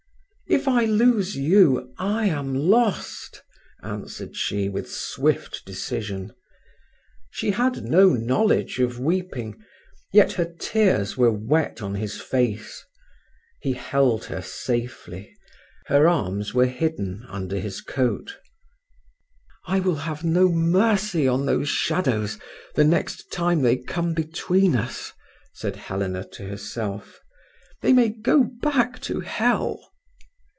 "If I lose you I am lost," answered she with swift decision. She had no knowledge of weeping, yet her tears were wet on his face. He held her safely; her arms were hidden under his coat. "I will have no mercy on those shadows the next time they come between us," said Helena to herself. "They may go back to hell."